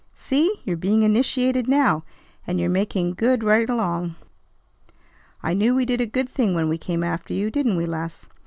See! You're being initiated now, and you're making good right along. I knew we did a good thing when we came after you. Didn't we, Les?"